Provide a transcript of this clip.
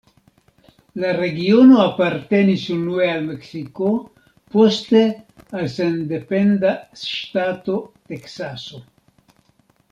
La regiono apartenis unue al Meksiko, poste al sendependa ŝtato Teksaso.